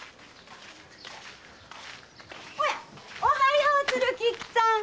おやおはよう鶴吉さん！